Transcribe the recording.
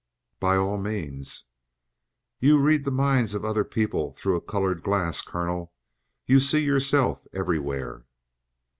"By all means." "You read the minds of other people through a colored glass, colonel. You see yourself everywhere."